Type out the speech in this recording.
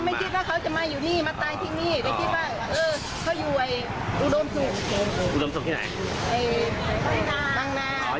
และทำที่จะคอยตายเป็นมเลนะคะที่สุดท้ายนอน